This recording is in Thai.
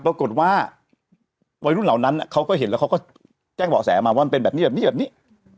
ปรากฏว่าวัยรุ่นเหล่านั้นเขาก็เห็นแล้วเขาก็แจ้งเบาะแสมาว่ามันเป็นแบบนี้แบบนี้